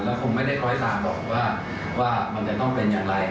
แล้วคงไม่ได้ค่อยตามบอกว่ามันจะต้องเป็นอย่างไร